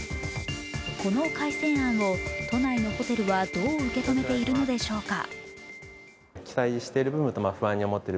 この改正案を都内のホテルはどう受け止めているのでしょうか。